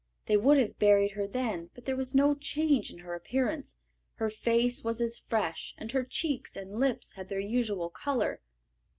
They would have buried her then, but there was no change in her appearance; her face was as fresh, and her cheeks and lips had their usual colour.